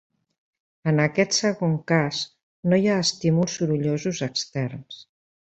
En aquest segons cas no hi ha estímuls sorollosos externs.